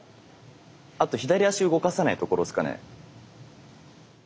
あと左足動かさないところですかね。